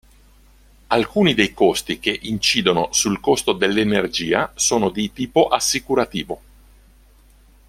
Alcuni dei costi che incidono sul costo dell'energia sono di tipo assicurativo.